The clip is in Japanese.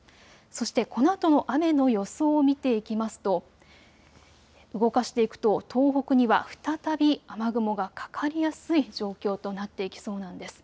そしてこのあとの雨の予想を見ていきますと動かしていくと東北には再び雨雲がかかりやすい状況となっていきそうなんです。